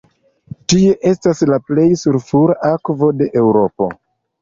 Tie estas la plej sulfura akvo de Eŭropo.